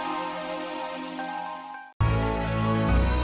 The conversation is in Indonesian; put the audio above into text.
aku cuma mau harga kamu sendiri